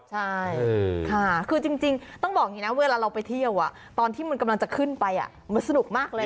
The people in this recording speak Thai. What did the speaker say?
ใช่ค่ะคือจริงต้องบอกอย่างนี้นะเวลาเราไปเที่ยวตอนที่มันกำลังจะขึ้นไปมันสนุกมากเลย